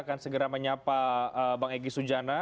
akan segera menyapa bang egy sujana